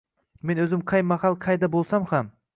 Men o’zim qay mahal qayda bo’lsam ham